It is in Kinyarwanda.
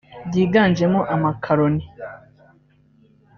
byiganjemo amakaroni